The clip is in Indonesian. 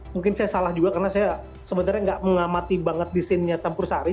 mungkin saya salah juga karena saya sebenarnya nggak mengamati banget di scene nya campur sari